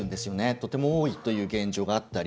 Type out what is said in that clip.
とても多いという現状があったり